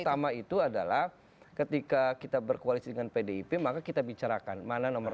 utama itu adalah ketika kita berkoalisi dengan pdip maka kita bicarakan mana nomor